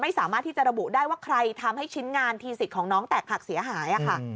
สามารถที่จะระบุได้ว่าใครทำให้ชิ้นงานทีสิทธิ์ของน้องแตกหักเสียหายค่ะ